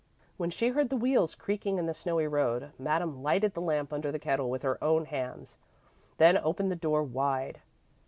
When she heard the wheels creaking in the snowy road, Madame lighted the lamp under the kettle with her own hands, then opened the door wide.